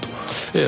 ええ。